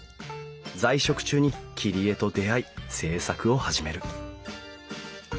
在職中に切り絵と出会い制作を始める。